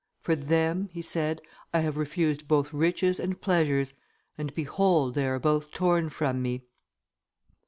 "For them," he said, "I have refused both riches and pleasures, and, behold, they are both torn from me."